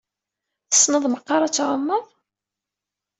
Tessneḍ meqqar ad tɛummeḍ?